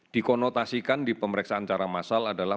dikonotasikan di pemeriksaan secara massal adalah